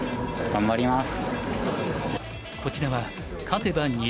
頑張ります。